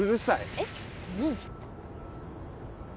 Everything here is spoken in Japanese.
えっ？